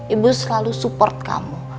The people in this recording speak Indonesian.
ibu selalu support kamu